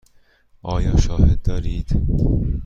آیا شاهدی دارید؟